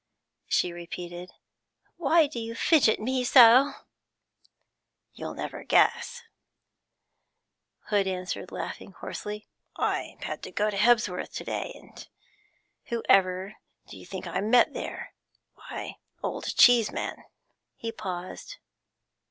she repeated. 'Why do you fidget me so?' 'You'd never guess,' Hood answered, laughing hoarsely. 'I had to go to Hebsworth to day, and who ever do you think I met there? Why, old Cheeseman.' He paused.